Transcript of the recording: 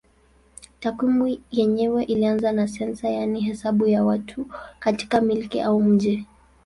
Takwimu yenyewe ilianza na sensa yaani hesabu ya watu katika milki au mji.